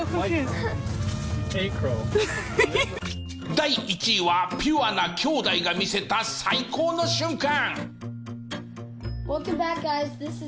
第１位はピュアな兄弟が見せた最高の瞬間。